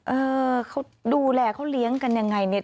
เออเขาดูแลเขาเลี้ยงกันอย่างไร